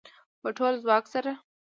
په ټول ځواک سره